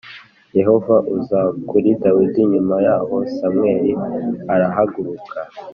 Yehova uza kuri Dawidi Nyuma yaho Samweli arahaguruka